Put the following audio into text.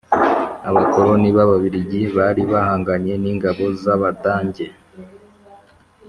abakoroni b’Ababiligi bari bahanganye n’ingabo za badange